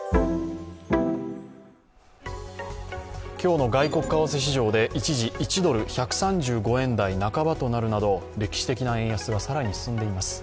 今日の外国為替市場で一時、１ドル＝１３５円半ばとなるなど歴史的な円安が更に進んでいます。